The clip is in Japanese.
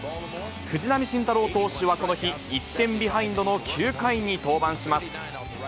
藤浪晋太郎投手はこの日、１点ビハインドの９回に登板します。